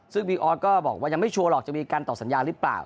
ซึ่งบิ๊กออสก็บอกว่ายังไม่ชัวร์หรอกจะมีการต่อสัญญาหรือเปล่า